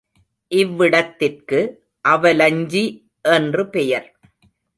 இவ்விடத்திற்கு அவலஞ்சி என்று பெயர்.